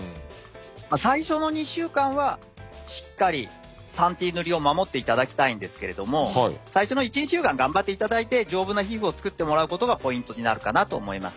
最初の２週間はしっかり３Ｔ塗りを守っていただきたいんですけれども最初の１２週間頑張っていただいて丈夫な皮膚を作ってもらうことがポイントになるかなと思います。